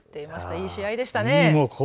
いい試合でしたね。